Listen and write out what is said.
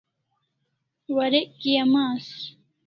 Warek kia mas